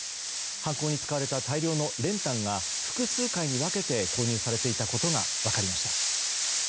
犯行に使われた大量の練炭が複数回に分けて購入されていたことが分かりました。